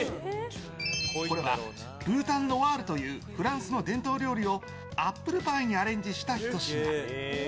これはブータンノワールというフランスの伝統料理をアップルパイにアレンジしたひと品。